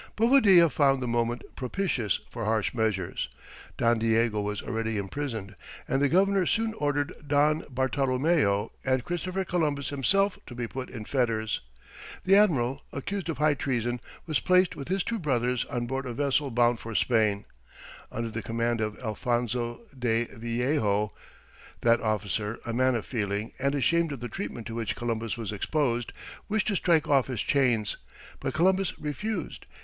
Bovadilla found the moment propitious for harsh measures. Don Diego was already imprisoned, and the governor soon ordered Don Bartolomeo and Christopher Columbus himself to be put in fetters. The admiral, accused of high treason, was placed with his two brothers on board a vessel bound for Spain, under the command of Alphonso de Villejo. That officer, a man of feeling, and ashamed of the treatment to which Columbus was exposed, wished to strike off his chains; but Columbus refused.